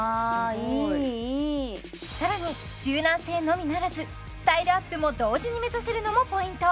いいいいすごいさらに柔軟性のみならずスタイルアップも同時に目指せるのもポイント